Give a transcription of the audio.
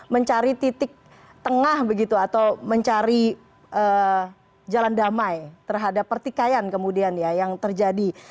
mencari titik tengah begitu atau mencari jalan damai terhadap pertikaian kemudian ya yang terjadi